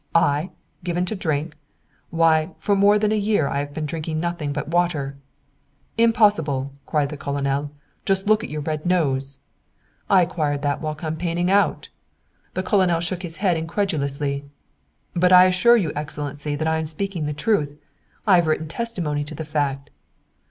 I? Given to drink? Why, for more than a year I have been drinking nothing but water.' 'Impossible!' cried the Colonel 'just look at your red nose!' 'I acquired that while campaigning out.' The Colonel shook his head incredulously. 'But I assure your Excellency that I am speaking the truth, I have written testimony to the fact.'